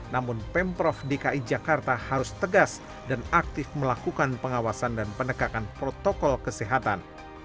namun pemprov dki jakarta harus tegas dan aktif melakukan pengawasan dan penegakan protokol kesehatan